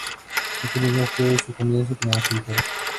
Este mismo fue su comienzo como escritora.